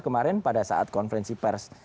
kemarin pada saat konferensi pers